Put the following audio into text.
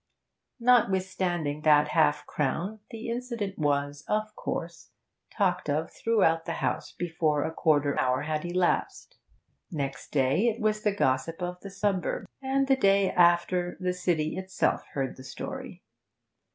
Notwithstanding that half crown the incident was, of course, talked of through the house before a quarter of an hour had elapsed. Next day it was the gossip of the suburbs; and the day after the city itself heard the story.